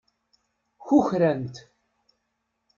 Kukrant.